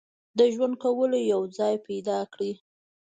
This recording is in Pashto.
د ژوند کولو یو ځای پیدا کړي.